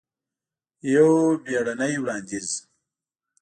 یو بیړنې وړاندیز!